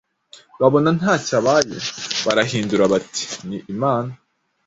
babona ntacyo abaye, barahindura bati, ni imana.’”